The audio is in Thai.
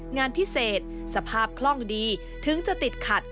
งานพิเศษสภาพคล่องดีถึงจะติดขัด